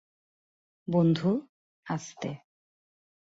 বন্ধু, আস্তে।